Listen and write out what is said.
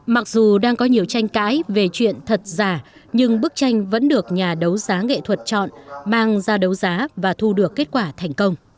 mặc dù đang có nhiều tranh cãi về chuyện thật giả nhưng bức tranh vẫn được nhà đấu giá nghệ thuật chọn mang ra đấu giá và thu được kết quả thành công